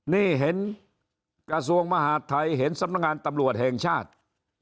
นี่เห็นกระทรวงมหาดไทยเห็นสำนักงานตำรวจแห่งชาติ